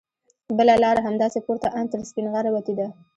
بله لاره همداسې پورته ان تر سپینغره وتې ده.